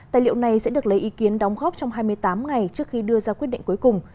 tài liệu này sẽ được lấy ý kiến đóng góp trong hai mươi tám ngày trước khi đưa ra quyết định cuối cùng